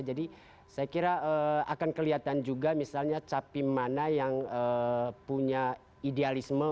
jadi saya kira akan kelihatan juga misalnya capim mana yang punya idealisme